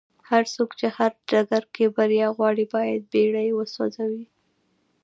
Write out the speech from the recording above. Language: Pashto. هرڅوک چې په هر ډګر کې بريا غواړي بايد بېړۍ وسوځوي.